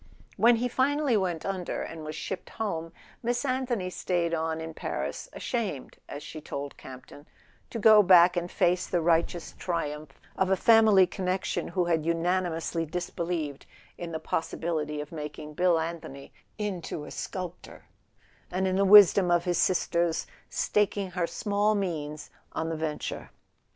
When he finally went under, and was shipped home, Miss Anthony stayed on in Paris, ashamed, as she told Campton, to go back and face the righteous triumph of a family connection who had unanimously disbelieved in the possibility of mak [ 42 ] A SON AT THE FRONT ing Bill Anthony into a sculptor, and in the wisdom of his sister's staking her small means on the venture.